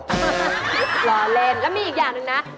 รอเล่นแล้วมีอีกอย่างหนึ่งนะ